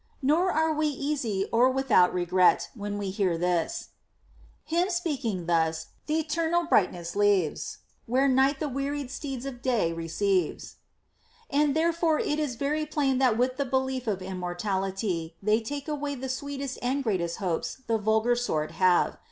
Nor are we easy or without regret when we hear this : Him speaking thus th' eternal brightness leaves, Where night the wearied steeds of day receives. 28. And therefore it is very plain that with the belief of immortality they take away the sweetest and greatest hopes the vulgar sort have.